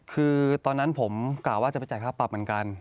คือตอนนั้นผมกะว่าจะไปจ่ายค่าปรับเหมือนกัน